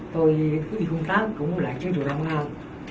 tôi thứ hai trăm linh tám cũng lại trên trường đồng nam